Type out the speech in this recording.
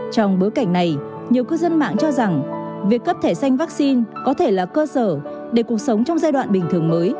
trong bối cảnh này nhiều cư dân mạng cho rằng việc cấp thẻ xanh vaccine có thể là cơ sở để cuộc sống trong giai đoạn bình thường mới